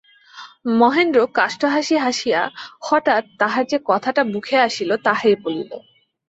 মহেন্দ্র কাষ্ঠহাসি হাসিয়া, হঠাৎ তাহার যে কথাটা মুখে আসিল তাহাই বলিল।